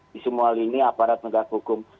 di semua lini aparat negara hukum